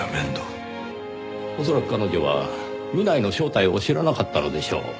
恐らく彼女は南井の正体を知らなかったのでしょう。